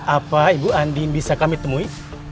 apa ibu andin bisa kami temui